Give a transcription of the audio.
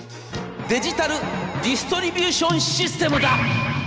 デジタル・ディストリビューション・システムだ！』。